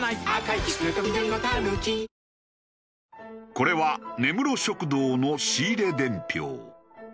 これは根室食堂の仕入れ伝票。